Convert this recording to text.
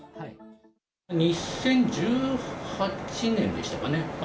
２０１８年でしたかね。